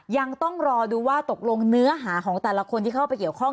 ยังต้องรอดูว่าตกลงเนื้อหาของแต่ละคนที่เข้าไปเกี่ยวข้อง